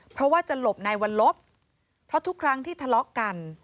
เพราะว่าจะหลบในวันลบเพราะทุกครั้งที่ทะเลาะกัน